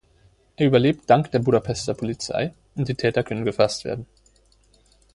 Er überlebt dank der Budapester Polizei, und die Täter können gefasst werden.